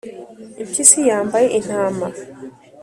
impyisi yambaye intama